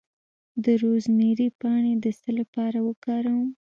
د روزمیری پاڼې د څه لپاره وکاروم؟